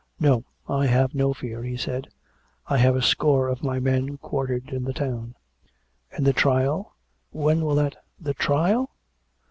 " No ; I have no fear," he said. " I have a score of my men quartered in the town." " And the trial? When will that "" The trial